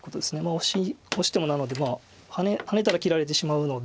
オシオシてもなのでハネたら切られてしまうので。